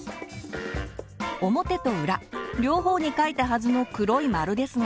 表と裏両方にかいたはずの黒い丸ですが。